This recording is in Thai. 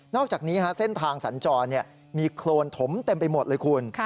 อกจากนี้เส้นทางสัญจรมีโครนถมเต็มไปหมดเลยคุณ